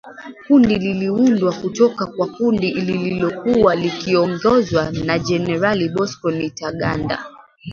Kundi liliundwa kutoka kwa kundi lililokuwa likiongozwa na Generali Bosco Ntaganda.